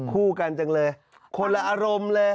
คู่กันจังเลยคนละอารมณ์เลย